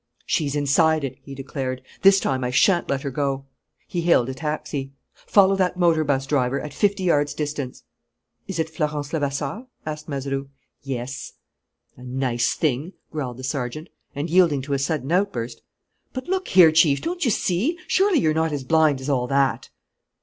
"She's inside it," he declared. "This time, I shan't let her go." He hailed a taxi. "Follow that motor bus, driver, at fifty yards' distance." "Is it Florence Levasseur?" asked Mazeroux. "Yes." "A nice thing!" growled the sergeant. And, yielding to a sudden outburst: "But, look here, Chief, don't you see? Surely you're not as blind as all that!"